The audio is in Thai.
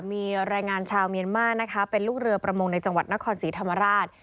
มีแรงงานชาวเมียนมานะคะเป็นลูกเรือประมงในจังหวัดนครศรีธรรมราช